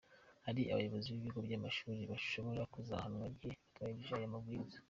Hari abayobozi b’ibigo by’amashuri bashobora kuzahanwa igihe batubahirije aya mabwiriza.